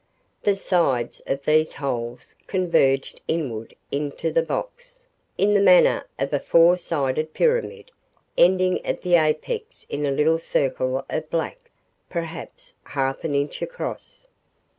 The sides of these holes converged inward into the box, in the manner of a four sided pyramid, ending at the apex in a little circle of black, perhaps half an inch across.